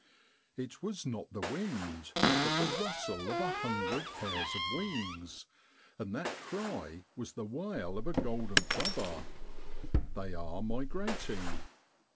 It was not the wind, but the rustle of a hundred pairs of wings, and that cry was the wail of a golden plo ver. They are migrating.